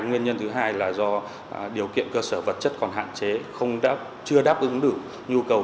nguyên nhân thứ hai là do điều kiện cơ sở vật chất còn hạn chế chưa đáp ứng đủ nhu cầu